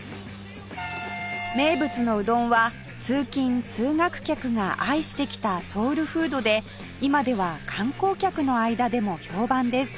名物のうどんは通勤通学客が愛してきたソウルフードで今では観光客の間でも評判です